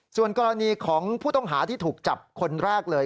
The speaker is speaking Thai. ส่วนกรณีของผู้ต้องหาที่ถูกจับคนแรกเลย